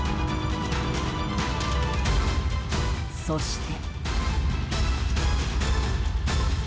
そして。